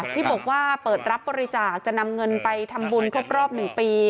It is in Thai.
ที่บอกว่าเปิดรับบริจาคจะนำเงินไปทำบุญครบรอบ๑ปี